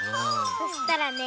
そしたらね